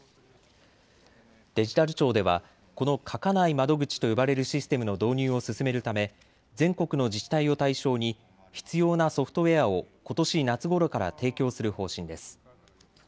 デジタル庁ではこの書かない窓口と呼ばれるシステムの導入を進めるため全国の自治体を対象に必要なソフトウエアをことし夏ごろから提供する方針です。